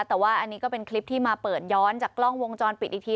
แต่ว่าอันนี้ก็เป็นคลิปที่มาเปิดย้อนจากกล้องวงจรปิดอีกที